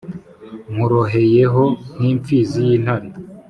Muroheyeho nk’imfizi y’intare